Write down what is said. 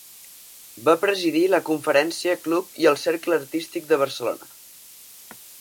Va presidir la Conferència Club i el Cercle Artístic de Barcelona.